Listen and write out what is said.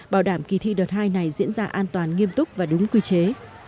bảo đảm kỳ thi đợt hai này diễn ra an toàn nghiêm túc và đúng quy chế